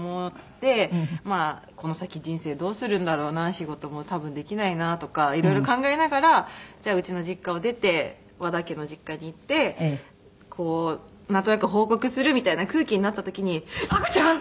まあこの先人生どうするんだろうな仕事も多分できないなとかいろいろ考えながらじゃあうちの実家を出て和田家の実家に行ってなんとなく報告するみたいな空気になった時に「赤ちゃん！？」。